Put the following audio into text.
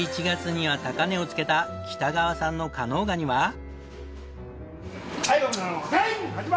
１１月には高値を付けた北川さんの加能ガニは？